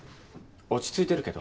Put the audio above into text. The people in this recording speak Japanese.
落ち着いてるけど。